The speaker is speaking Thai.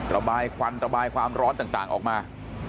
ระบายควันระบายความร้อนต่างออกมา